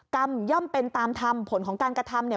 ย่อมเป็นตามธรรมผลของการกระทำเนี่ย